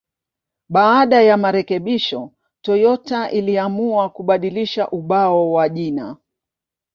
Baada ya marekebisho, Toyota iliamua kubadilisha ubao wa jina.